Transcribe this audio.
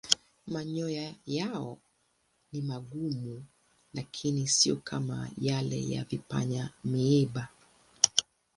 Manyoya yao ni magumu lakini siyo kama yale ya vipanya-miiba.